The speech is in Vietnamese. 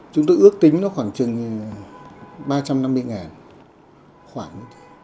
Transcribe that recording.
chúng tôi ước tính nó khoảng trừng ba trăm năm mươi ngàn khoảng